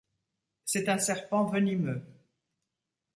C'est un serpent venimeux.